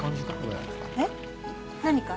えっ？何か？